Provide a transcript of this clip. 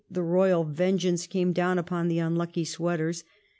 the royal vengeance came down upon the unlucky sweaters.